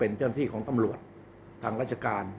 เป็นเจ้าหน้าที่ของตำรวจทางราชการ